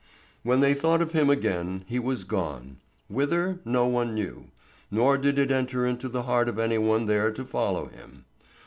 When they thought of him again, he was gone; whither, no one knew, nor did it enter into the heart of any one there to follow him.